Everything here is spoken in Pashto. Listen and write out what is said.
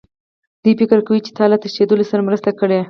دوی فکر کوي چې تا له تښتېدلو سره مرسته کړې